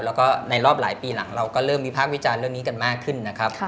แล้วก็ในรอบหลายปีหลังเราก็เริ่มวิพากษ์วิจารณ์เรื่องนี้กันมากขึ้นนะครับ